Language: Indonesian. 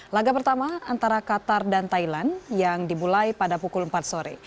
laga pertama antara qatar dan thailand yang dimulai pada pukul empat sore